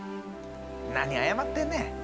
何謝ってんねん。